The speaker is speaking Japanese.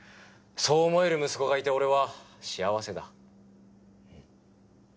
そう思える息子がいて俺は幸せだ。